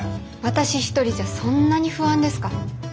私一人じゃそんなに不安ですか？